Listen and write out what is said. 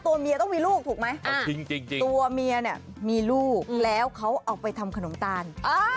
ตัวเมียต้องมีลูกถูกไหมตัวเมียเนี่ยมีลูกแล้วเขาเอาไปทำขนมตาล